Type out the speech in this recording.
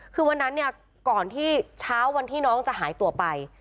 คือวันนั้นเนี่ยก่อนที่เช้าวันที่น้องจะหายตัวไป